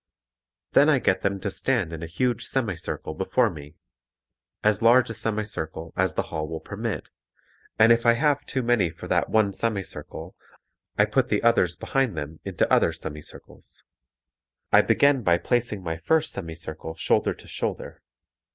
Then I get them to stand in a huge semi circle before me, as large a semi circle as the hall will permit, and if I have too many for that one semi circle, I put the others behind them into other semi circles. I begin by placing my first semi circle shoulder to shoulder.